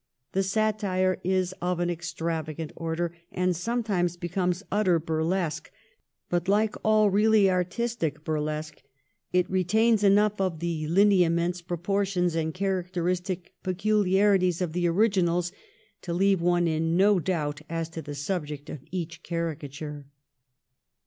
The satire is of an extravagant order and sometimes becomes utter burlesque, but hke all really artistic burlesque it retains enough of the lineaments and X 2 308 THE REIGN OF QUEEN ANNE. ch. xixv. proportions and characteristic peculiarities of the originals to leave one in no doubt as to the subject of each caricature.